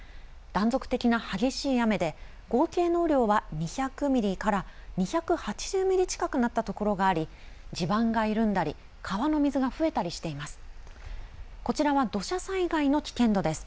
断続的な激しい雨で合計の雨量は２００ミリから２８０ミリ近くなったところがあり、地盤が緩んだり川の水が増えたりしています。